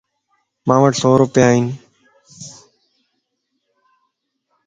ماوٽ سوروپيا ان